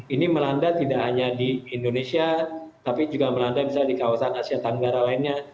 ini melanda tidak hanya di indonesia tapi juga melanda misalnya di kawasan asia tenggara lainnya